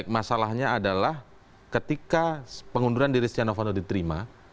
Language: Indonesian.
masalahnya adalah ketika pengunduran diristiano fono diterima